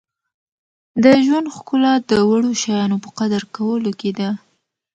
• د ژوند ښکلا د وړو شیانو په قدر کولو کې ده.